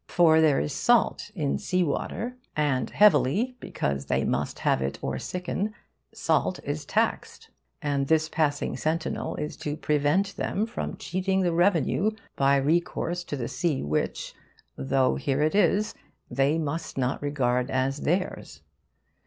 For there is salt in sea water; and heavily, because they must have it or sicken, salt is taxed; and this passing sentinel is to prevent them from cheating the Revenue by recourse to the sea which, though here it is, they must not regard as theirs.